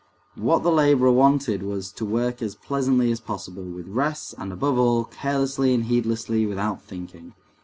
What the laborer wanted was to work as pleasantly as possible, with rests, and above all, carelessly and heedlessly, without thinking.